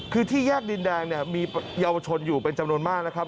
คือที่แยกดินแดงเนี่ยมีเยาวชนอยู่เป็นจำนวนมากนะครับ